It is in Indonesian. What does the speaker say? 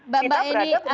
baik mbak eni